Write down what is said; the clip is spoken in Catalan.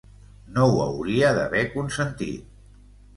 No ho hauria d'haver consentit.